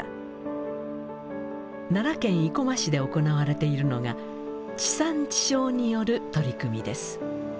奈良県生駒市で行われているのが地産地消による取り組みです。